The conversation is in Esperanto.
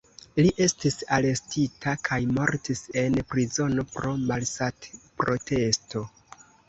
Li estis arestita kaj mortis en prizono pro malsatprotesto.